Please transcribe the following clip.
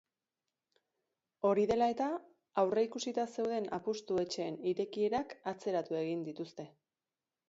Hori dela eta, aurreikusita zeuden apustu etxeen irekierak atzeratu egin dituzte.